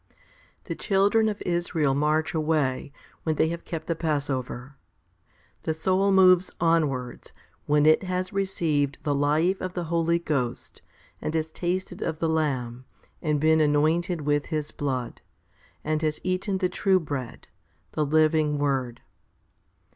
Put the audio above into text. IT. The children of Israel march away, when they have kept the passover. The soul moves onwards, when it has received the life of the Holy Ghost, and has tasted of the Lamb, and been anointed with His blood, and has eaten the true bread, the living Word.